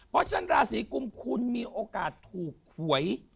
เพราะฉะนั้นราศีกุมคุณมีโอกาสถูกหวย